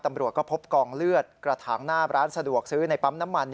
ตำรวจก็พบกองเลือดกระถางหน้าร้านสะดวกซื้อในปั๊มน้ำมัน